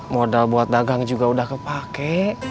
modal buat dagang juga udah kepake